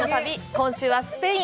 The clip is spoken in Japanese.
今週はスペイン。